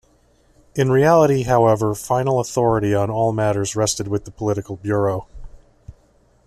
In reality, however, final authority on all matters rested with the Political Bureau.